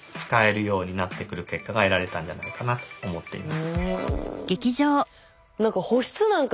ようになってくる結果が得られたんじゃないかなと思っています。